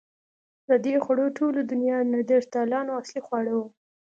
د دې خوړو ټولول د نیاندرتالانو اصلي خواړه وو.